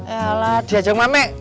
elah diajong mame